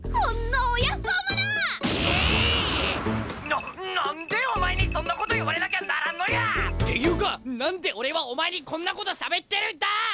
な何でお前にそんなこと言われなきゃならんのや！？っていうか何で俺はお前にこんなことしゃべってるんだ！